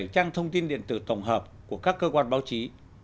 hai trăm linh bảy trang thông tin điện tử tổng hợp của các cơ quan báo chí